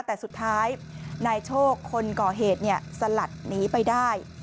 แต่สุดท้ายนายโชคคนก่อเหตุสลัดหนีไปได้